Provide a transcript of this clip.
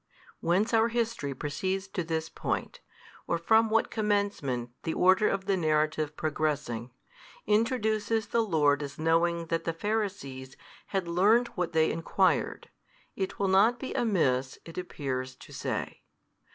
Whence our history proceeds to this point, or from what commencement the order of the narrative progressing, introduces the Lord as knowing that the Pharisees had learnt what they enquired, it will not be amiss (it appears) to say.